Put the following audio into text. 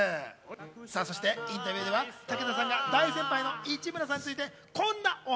インタビューでは武田さんが大先輩の市村さんについてこんなお話